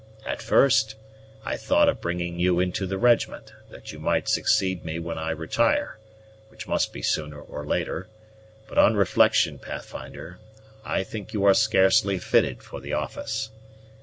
At first, I thought of bringing you into the regiment, that you might succeed me when I retire, which must be sooner or later; but on reflection, Pathfinder, I think you are scarcely fitted for the office.